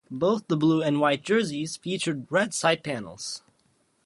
Both the blue and white jerseys featured red side panels.